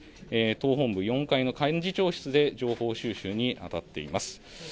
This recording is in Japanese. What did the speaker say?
党本部４階の幹事長室で情報収集にあたっています。